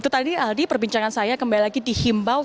itu tadi aldi perbincangan saya kembali lagi di himbau